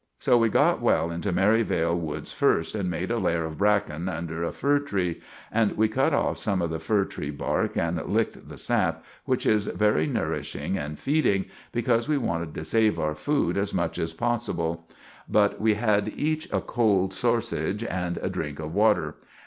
So we got well into Merivale Woods first and made a lair of braken under a fir tree. And we cut off some of the fir tree bark and licked the sap, which is very nourishing and feeding, because we wanted to save our food as much as possible. But we had each a cold sorsage and a drink of water.